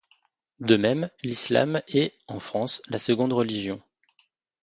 De même, l'islam est, en France, la seconde religion.